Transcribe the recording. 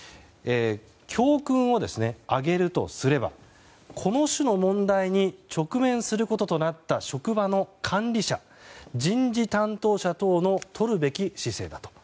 教訓を挙げるとすれば、この種の問題に直面することとなった職場の管理者、人事担当者等のとるべき姿勢だと。